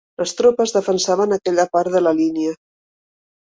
Les tropes defensaven aquella part de la línia